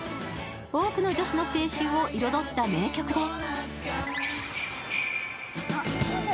多くの女子の青春を彩った名曲です。